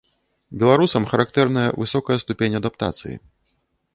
Беларусам характэрная высокая ступень адаптацыі.